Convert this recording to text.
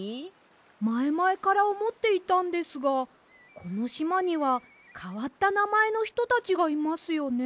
まえまえからおもっていたんですがこのしまにはかわったなまえのひとたちがいますよね。